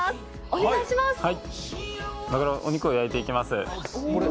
お肉を焼いていきます。